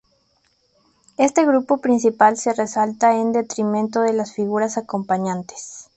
Este grupo principal se resalta en detrimento de las figuras acompañantes.